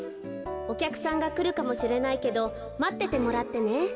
おきゃくさんがくるかもしれないけどまっててもらってね」。